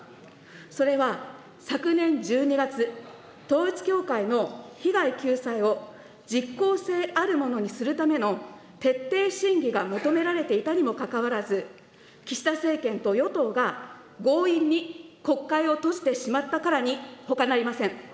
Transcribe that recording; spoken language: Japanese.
それは、昨年１２月、統一教会の被害救済を実効性あるものにするための徹底審議が求められていたにもかかわらず、岸田政権と与党が強引に国会を閉じてしまったからにほかなりません。